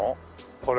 これ。